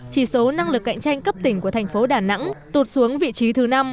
chỉ số năng lực cạnh tranh cấp tỉnh của thành phố đà nẵng tụt xuống vị trí thứ năm